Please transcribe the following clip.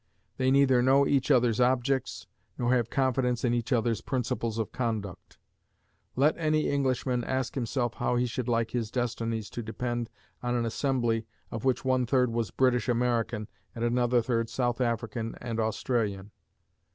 They neither know each other's objects, nor have confidence in each other's principles of conduct. Let any Englishman ask himself how he should like his destinies to depend on an assembly of which one third was British American, and another third South African and Australian.